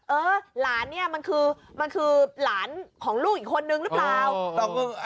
เออหลานเนี่ยมันคือมันคือหลานของลูกอีกคนนึงหรือเปล่า